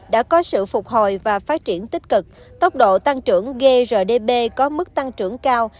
đã có sự phục hồi và phát triển tích cực tốc độ tăng trưởng grdp có mức tăng trưởng cao